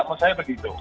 maksud saya begitu